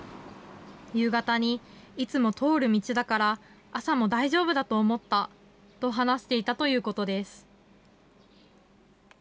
夕方にいつも通る道だから、朝も大丈夫だと思ったと話していたということです。